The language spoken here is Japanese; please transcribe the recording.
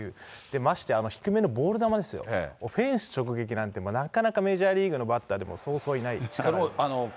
まして低めのボール球ですよ、フェンス直撃なんて、なかなかメジャーリーグのバッターでもそうそういないですよ。